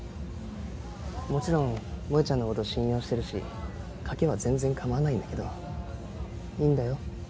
もちろん萌ちゃんのこと信用してるし掛けは全然かまわないんだけどいいんだよ